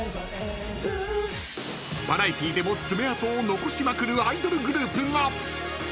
［バラエティーでも爪痕を残しまくるアイドルグループが］